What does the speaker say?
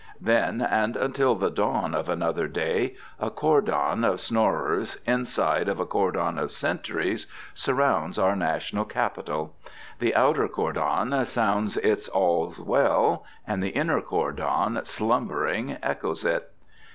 Then, and until the dawn of another day, a cordon of snorers inside of a cordon of sentries surrounds our national capital. The outer cordon sounds its "All's well"; and the inner cordon, slumbering, echoes it.